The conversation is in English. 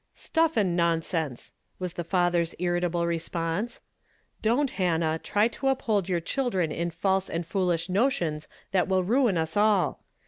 "Stuff and nonsense!" was the father's irritable response. "Don't, Hannah, try to uphold your children in false and foolish notions that will ruin us all